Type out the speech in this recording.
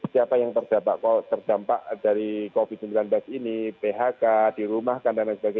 siapa yang terdampak dari covid sembilan belas ini phk dirumahkan dsb